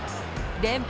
連敗